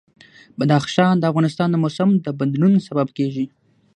بدخشان د افغانستان د موسم د بدلون سبب کېږي.